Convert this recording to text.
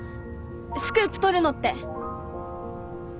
スクープ取るのって。